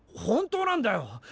本当なんだよ！